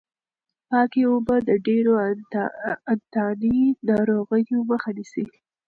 پاکې اوبه د ډېرو انتاني ناروغیو مخه نیسي.